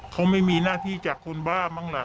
เขาไม่มีหน้าที่จากคนบ้ามั้งล่ะ